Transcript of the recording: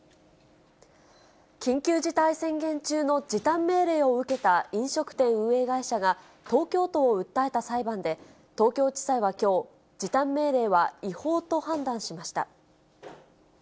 緊急事態宣言中の時短命令を受けた飲食店運営会社が、東京都を訴えた裁判で、東京地裁はきょう、時短命令は違法と判断しました。